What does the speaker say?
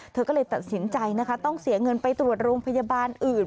เธอก็เลยตัดสินใจนะคะต้องเสียเงินไปตรวจโรงพยาบาลอื่น